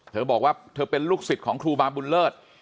เธอบอกว่าเธอเป็นลูกศิษย์ของครูบาบุญเลิศ